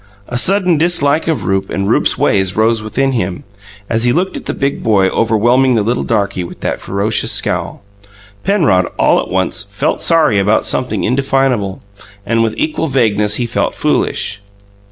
A sudden dislike of Rupe and Rupe's ways rose within him, as he looked at the big boy overwhelming the little darky with that ferocious scowl. Penrod, all at once, felt sorry about something indefinable; and, with equal vagueness, he felt foolish.